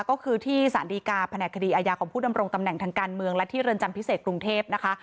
ก็คือที่สารดีกาแผนกคดีอาญาของผู้ดำรงตำแหน่งทางการเมืองและที่เรือนจำพิเศษกรุงเทพนะคะ